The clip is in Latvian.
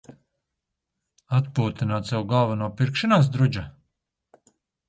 Atpūtināt savu galvu no "pirkšanas drudža"?